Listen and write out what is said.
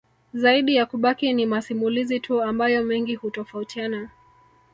Zaidi ya kubaki ni masimulizi tu ambayo mengi hutofautina